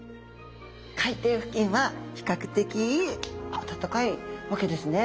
海底付近は比較的暖かいわけですね。